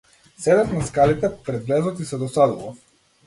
Седев на скалите пред влезот и се досадував.